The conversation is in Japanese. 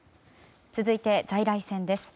続いて在来線です。